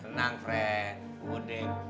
tenang fren udah